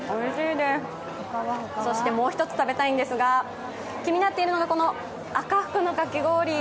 そしてもう一つ食べたいんですが気になっているのがこの赤福のかき氷。